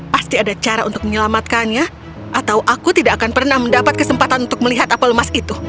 pasti ada cara untuk menyelamatkannya atau aku tidak akan pernah mendapat kesempatan untuk melihat apel lemas itu